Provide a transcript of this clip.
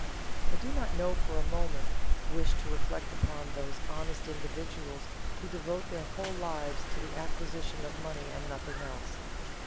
I do not for a moment wish to reflect upon those honest individuals who devote their whole lives to the acquisition of money and nothing else.